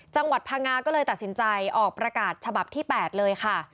จังหวัดพังงาก็เลยตัดสินใจออกประกาศฉบับที่๘เลยค่ะ